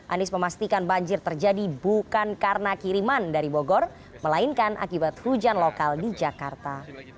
anies memastikan banjir terjadi bukan karena kiriman dari bogor melainkan akibat hujan lokal di jakarta